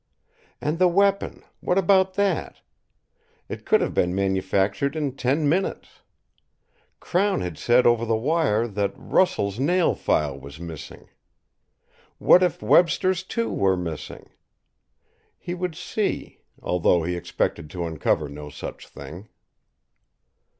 And the weapon, what about that? It could have been manufactured in ten minutes. Crown had said over the wire that Russell's nail file was missing. What if Webster's, too, were missing? He would see although he expected to uncover no such thing.